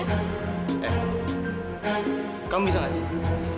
eh kamu bisa gak sih